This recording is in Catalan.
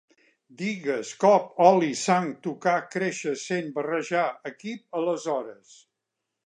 Digues: cop, oli, sang, tocar, créixer, cent, barrejar, equip, aleshores